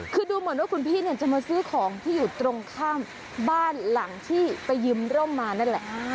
คือดูเหมือนว่าคุณพี่เนี่ยจะมาซื้อของที่อยู่ตรงข้ามบ้านหลังที่ไปยืมร่มมานั่นแหละ